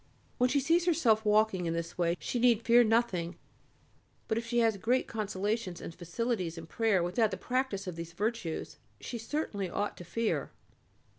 When she sees herself walking in this way she need fear nothing, but if she has great consolations and facilities in prayer without the practice of these virtues, she certainly ought to fear.